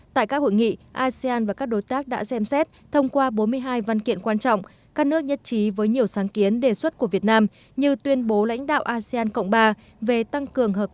tại các hội nghị asean và các đối tác đã xem xét thông qua bốn mươi hai văn kiện quan trọng các nước nhất trí với nhiều sáng kiến đề xuất của việt nam như tuyên bố lãnh đạo asean cộng ba